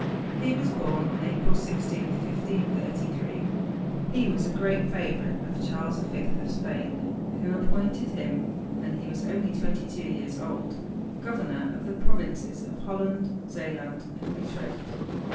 He was born on April 16, 1533. He was a great favorite of Charles V of Spain, who appointed him, when he was only twenty two years old, governor of the provinces of Holland, Zealand, and Utrecht.